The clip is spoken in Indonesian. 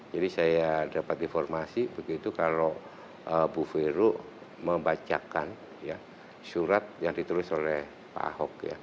jadi saya dapat informasi begitu kalau bu veru membacakan surat yang ditulis oleh pak ahok